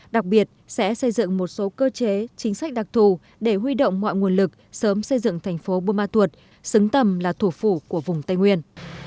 đặc biệt sẽ xây dựng một số cơ chế chính sách đặc thù để huy động mọi nguồn lực sớm xây dựng thành phố buôn ma thuột xứng tầm là thủ phủ của vùng tây nguyên